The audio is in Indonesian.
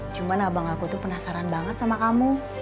cuma abang aku tuh penasaran banget sama kamu